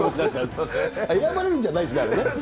選ばれるんじゃないですね、あれね。